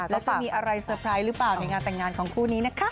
แล้วจะมีอะไรเซอร์ไพรส์หรือเปล่าในงานแต่งงานของคู่นี้นะคะ